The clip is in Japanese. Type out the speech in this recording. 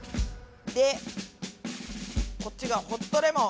でこっちがホットレモン。